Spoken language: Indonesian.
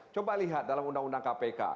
coba lihat dalam undang undang kpk